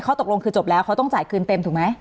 ตกลงคือจบแล้วเขาต้องจ่ายคืนเต็มถูกไหม